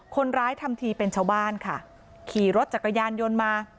ทำทีเป็นชาวบ้านค่ะขี่รถจักรยานยนต์มา